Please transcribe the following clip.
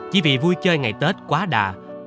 chỉ vì vui chơi ngày tết quá đà